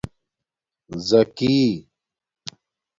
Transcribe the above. زَکی